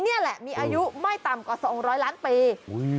มีอายุไม่ต่ำกว่า๒๐๐ล้านปี